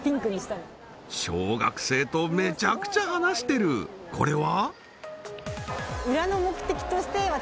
へえ小学生とめちゃくちゃ話してるこれは？